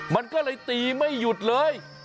มันก็เลยตีไม่หยุดเลย